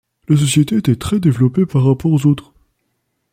La société était très développée par rapport aux autres.